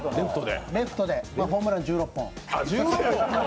レフトでホームラン１６本。